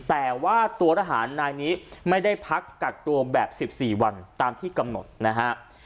แต่ว่าตัวทหารนายนี้ไม่ได้พักกักตัวแบบ๑๔วันตามที่กำหนดนะฮะ